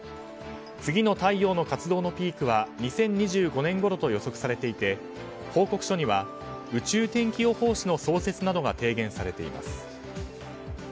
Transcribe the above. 次の太陽の活動のピークは２０２５年ごろと予測されていて、報告書には宇宙天気予報士の創設などが提言されています。